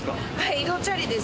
移動はチャリです。